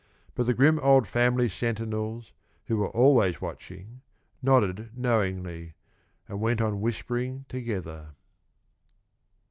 But the grim old family sentinels, who were always watching, nodded knowingly and went on whispering together.